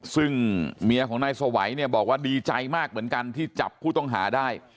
ซึ่งเมียของนายสวัยเนี่ยบอกว่าดีใจมากเหมือนกันที่จับผู้ต้องหาได้